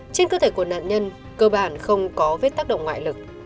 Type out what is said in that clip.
trên cơ thể của nạn nhân cơ bản không có vết tác động ngoại lực